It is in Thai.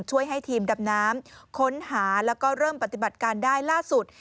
ช่วยให้ทีมดำน้ำค้นหาแล้วก็เริ่มปฏิบัติการได้ล่าสุด